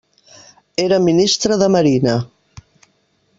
Era ministre de marina.